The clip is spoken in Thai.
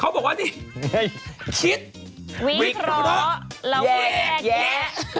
เขาบอกว่านี่คิดวิเคราะห์แล้วแยกแยะ